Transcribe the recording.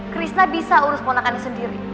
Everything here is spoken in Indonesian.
krisna bisa urus ponakannya sendiri